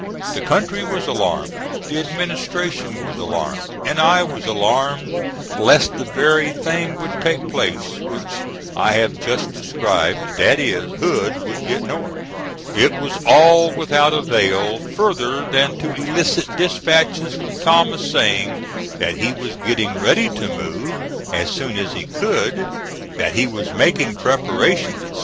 The country was alarmed, the administration was alarmed, and I was alarmed lest the very thing would take place which I have just described that is, Hood would get north. It was all without avail further than to elicit dispatches from Thomas saying that he was getting ready to move as soon as he could, that he was making preparations, etc.